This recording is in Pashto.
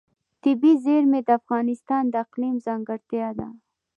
طبیعي زیرمې د افغانستان د اقلیم ځانګړتیا ده.